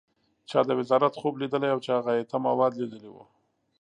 چا د وزارت خوب لیدلی او چا غایطه مواد لیدلي و.